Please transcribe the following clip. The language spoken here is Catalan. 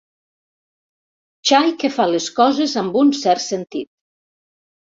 Xai que fa les coses amb un cert sentit.